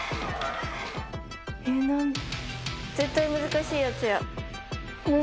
絶対難しいやつや何？